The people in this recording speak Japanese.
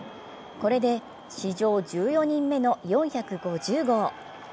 これで史上１４人目の４５０号。